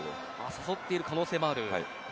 誘っている可能性もある。